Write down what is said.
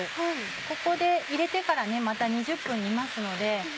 ここで入れてからまた２０分煮ますので。